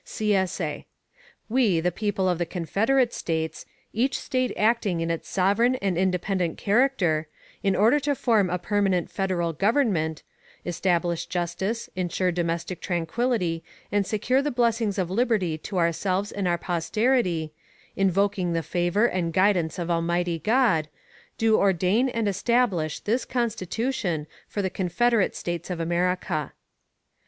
[CSA] We, the People of the Confederate States, each State acting in its sovereign and independent character, in order to form a permanent Federal Government, establish justice, insure domestic tranquillity, and secure the blessings of liberty to ourselves and our posterity invoking the favor and guidance of Almighty God do ordain and establish this Constitution for the Confederate States of America.